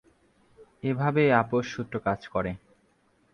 এইভাবে আপস সূত্র কাজ করে।